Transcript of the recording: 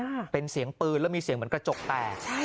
เป็นเสียงปืนแล้วมีเสียงเหมือนกระจกแตกใช่